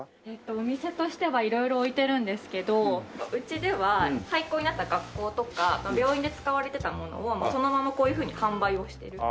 お店としては色々置いてるんですけどうちでは廃校になった学校とか病院で使われてたものをそのままこういうふうに販売をしてる。